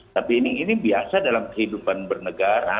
tapi ini biasa dalam kehidupan bernegara